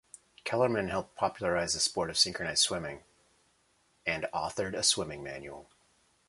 Kellermann helped popularize the sport of synchronised swimming; and authored a swimming manual.